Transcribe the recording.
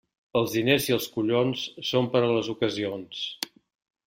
Els diners i els collons són per a les ocasions.